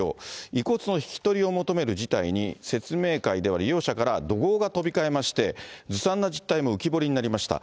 遺骨の引き取りを求める事態に説明会では利用者から怒号が飛び交いまして、ずさんな実態も浮き彫りになりました。